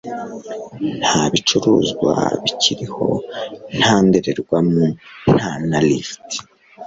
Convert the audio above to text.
nta bicuruzwa bikiriho nta ndorerwamo nta na lift